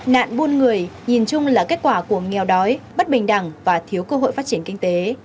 nạn buôn người nhìn chung là kết quả của nghèo đói bất bình đẳng và thiếu cơ hội phát triển kinh tế